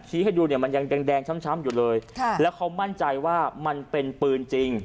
ให้ดูเนี่ยมันยังแดงช้ำอยู่เลยแล้วเขามั่นใจว่ามันเป็นปืนจริง